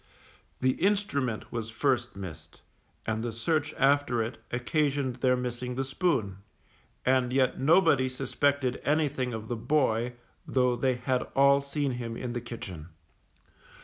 The instrument was first missed, and the search after it occasioned their missing the spoon; and yet nobody suspected anything of the boy, though they had all seen him in the kitchen.